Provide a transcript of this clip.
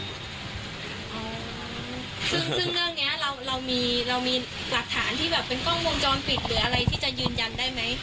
ซึ่งเรามีหลักฐานที่แบบเป็นกล้องวงจรปิดหรืออะไรที่จะยืนยันได้ไหม